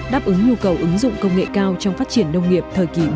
đáp ứng nhu cầu ứng dụng công nghệ cao trong phát triển nông nghiệp thời kỳ mới